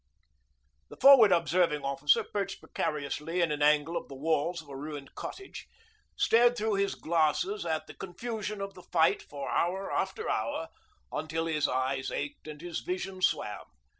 The Forward Observing Officer, perched precariously in an angle of the walls of a ruined cottage, stared through his glasses at the confusion of the fight for hour after hour until his eyes ached and his vision swam.